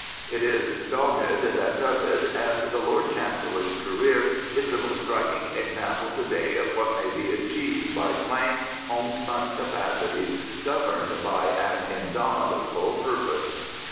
^' It is dogged that does it, and the Lord Chancellor's career is the most striking example to day of what may be achieved by plain, homespun capacities governed by an indomitable purpose.